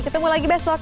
ketemu lagi besok